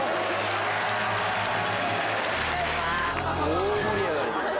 大盛り上がり。